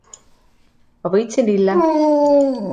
Ma võitsin lille.